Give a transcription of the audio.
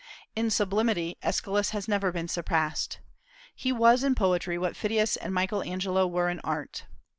In sublimity Aeschylus has never been surpassed. He was in poetry what Phidias and Michael Angelo were in art.